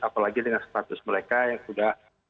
apalagi dengan status mereka yang sudah